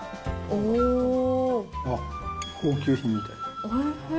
あっ、高級品みたい。